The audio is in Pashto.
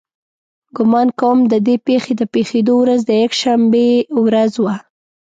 ګمان کوم د دې پېښې د پېښېدو ورځ د یکشنبې ورځ وه.